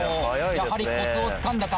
やはりコツをつかんだか。